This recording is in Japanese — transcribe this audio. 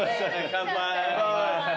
乾杯。